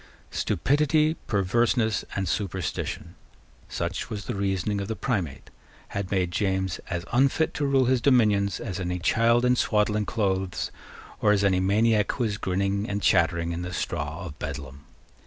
Stupidity, perverseness, and superstition, such was the reasoning of the Primate, had made James as unfit to rule his dominions as any child in swaddling clothes, or as any maniac who was grinning and chattering in the straw of Bedlam.